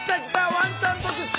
ワンちゃん特集！